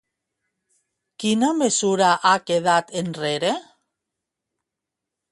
Quina mesura ha quedat enrere?